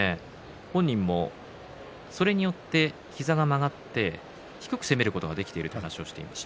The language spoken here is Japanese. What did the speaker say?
本人もそれによって膝が曲がって低く攻めることができると話しています。